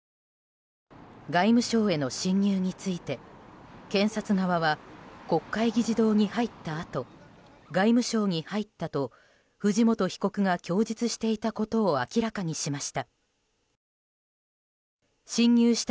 外務省への侵入について検察側は国会議事堂に入ったあと外務省に入ったと藤本被告が供述していたことを明らかにしました。